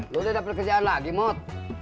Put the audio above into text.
lo udah dapet kerjaan lagi mot